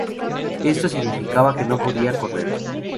Esto significaba que no podía correr.